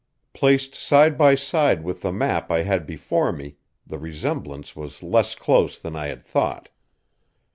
Placed side by side with the map I had before me, the resemblance was less close than I had thought.